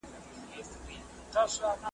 د ښوونځي له هلکانو همزولانو څخه `